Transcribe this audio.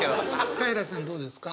カエラさんどうですか？